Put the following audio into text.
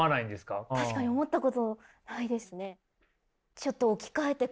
確かに思ったことないですね。